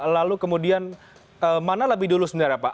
lalu kemudian mana lebih dulu sebenarnya pak